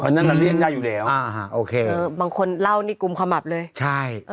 เพราะฉะนั้นน่าเลี่ยงยากอยู่เดียวบางคนเล่านี่กลุ่มความอับเลยใช่